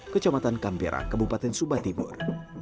kecamatan kambera kabupaten sumba timur